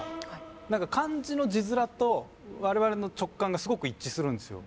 何か漢字の字面と我々の直感がすごく一致するんですよ。